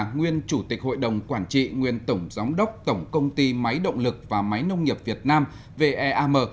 nguyên chủ tịch hội đồng quản trị nguyên tổng giám đốc tổng công ty máy động lực và máy nông nghiệp việt nam veam